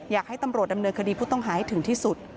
อยากให้ตำรวจดำเนินคดีผู้ต้องหาให้ถึงที่สุด